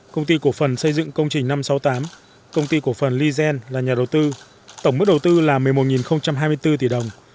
công ty cổ phần xây dựng công trình năm trăm sáu mươi tám công ty cổ phần lizen là nhà đầu tư tổng mức đầu tư là một mươi một hai mươi bốn tỷ đồng